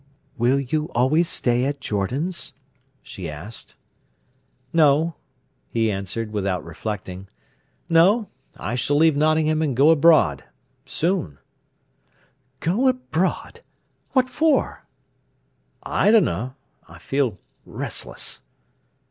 "Will you always stay at Jordan's?" she asked. "No," he answered without reflecting. "No; I s'll leave Nottingham and go abroad—soon." "Go abroad! What for?" "I dunno! I feel restless."